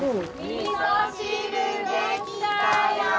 みそ汁出来たよ！